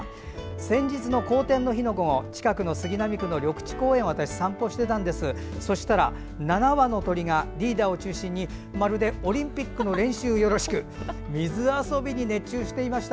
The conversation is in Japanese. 先日の好天の日の午後近くの杉並区の緑地公園を散歩していたら、７羽の鳥が１匹を中心にまるでオリンピックの練習よろしく水遊びに熱中していました。